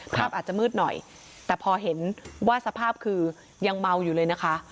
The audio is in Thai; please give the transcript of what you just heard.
ภาพอาจจะมืดหน่อยแต่พอเห็นว่าสภาพคือยังเมาอยู่เลยนะคะ